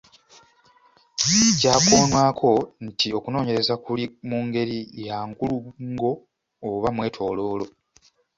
Kyakoonwako nti okunoonyereza kuli mu ngeri ya nkulungo oba mwetooloolo.